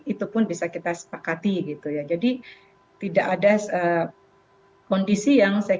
itu pun bisa kita sepakati gitu ya jadi tidak ada kondisi yang saya